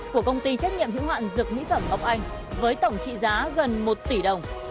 của công ty trách nhiệm hữu hạn dược mỹ phẩm ngọc anh với tổng trị giá gần một tỷ đồng